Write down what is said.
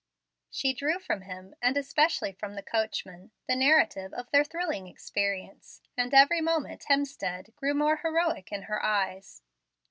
She drew from him and especially from the coachman the narrative of their thrilling experience, and every moment Hemstead grew more heroic in her eyes.